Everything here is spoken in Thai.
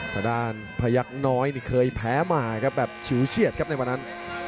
ทางด้านพยักษ์น้อยนี่เคยแพ้มาครับแบบฉิวเฉียดครับในวันนั้น